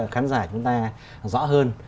khán giả chúng ta rõ hơn